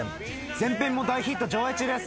前編も大ヒット上映中です。